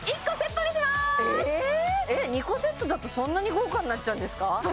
２個セットだとそんなに豪華になっちゃうんですか